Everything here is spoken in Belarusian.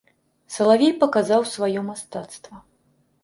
Салавей паказаў сваё мастацтва.